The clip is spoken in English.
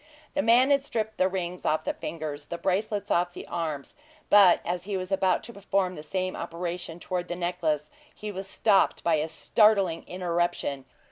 The man had stripped the rings off the fingers, the bracelets off the arms; but as he was about to perform the same operation toward the necklace, he was stopped by a startling interruption enough.